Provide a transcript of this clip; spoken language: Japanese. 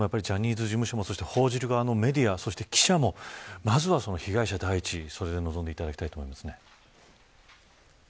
ジャニーズ事務所も報じる側のメディアも記者もまずは被害者を第一にそのように臨んでいただきたいです。